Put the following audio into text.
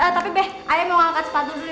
tapi be ayo mau ngangkat sepatu dulu ya